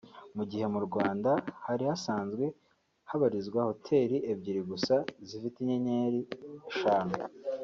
Mu gihe mu Rwanda hari hasanzwe habarizwa hoteli ebyiri gusa zifite inyenyeri eshanu